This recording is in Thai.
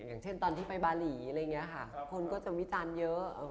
อย่างเช่นตอนที่ไปบาหลีคนก็จะวิจารณ์เยอะ